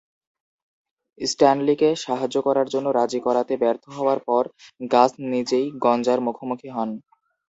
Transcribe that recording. স্ট্যানলিকে সাহায্য করার জন্য রাজি করাতে ব্যর্থ হওয়ার পর, গাস নিজেই গঞ্জার মুখোমুখি হন।